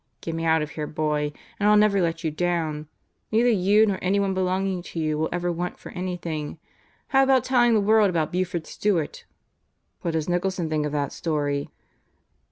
Get me out of here, boy, and I'll never let you down. Neither you nor anyone belonging to you will ever want for anything. How about telling the world about Buford Stewart?" "What does Nicholson think of that story?"